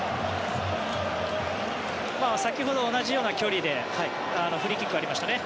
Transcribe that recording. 先ほど同じような距離でフリーキックがありましたね。